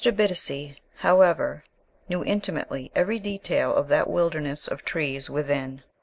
Bittacy, however, knew intimately every detail of that wilderness of trees within.